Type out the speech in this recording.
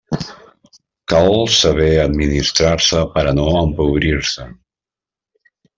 Cal saber administrar-se per a no empobrir-se.